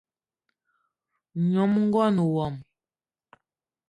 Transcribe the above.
Nyom ngón wmo